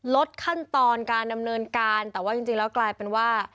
ลดขั้นตอนการดำเนินการแต่ว่าจริงแล้วกลายเป็นว่า